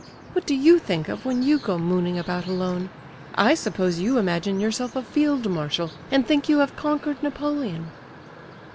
"What do you think of when you go mooning about alone? I suppose you imagine yourself a field marshal, and think you have conquered Napoleon?"